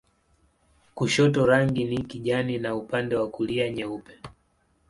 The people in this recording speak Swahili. Kushoto rangi ni kijani na upande wa kulia nyeupe.